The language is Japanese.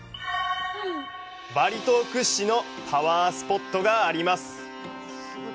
バリ島屈指のパワースポットがあります。